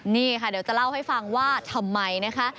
นี่ค่ะเดี๋ยวจะเล่าให้ฟังว่าทำไมนะคะ